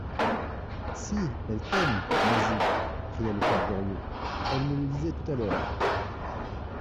Si, elle t'aime, Nasie, cria le père Goriot, elle me le disait tout à l'heure.